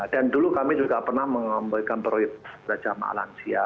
dan dulu kami juga pernah mengambilkan proyek belajar ma'alan sih ya